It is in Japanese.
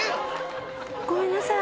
ごめんなさい。